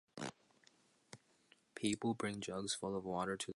People bring jugs full of water to the church.